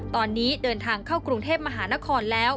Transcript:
ตอนนี้เดินทางเข้ากรุงเทพมหานครแล้ว